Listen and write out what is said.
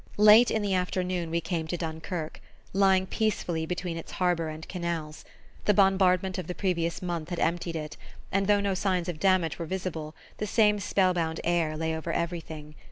Late in the afternoon we came to Dunkerque, lying peacefully between its harbour and canals. The bombardment of the previous month had emptied it, and though no signs of damage were visible the same spellbound air lay over everything.